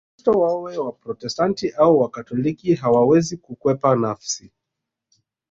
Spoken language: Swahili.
Wakristo wawe Waprotestanti au Wakatoliki hawawezi kukwepa nafsi